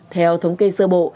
theo thống kê sơ bộ